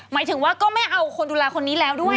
หมายถึงว่าก็ไม่เอาคนดูแลคนนี้แล้วด้วย